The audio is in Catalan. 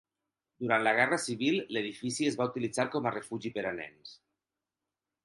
Durant la guerra civil, l’edifici es va utilitzar com a refugi per a nens.